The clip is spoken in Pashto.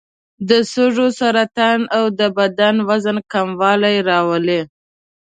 د سږو سرطان او د بدن وزن کموالی راولي.